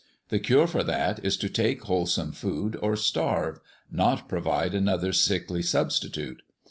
The cure for that is to take wholesome food or starve, not provide another sickly substitute.